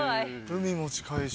海も近いし。